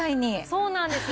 そうなんです。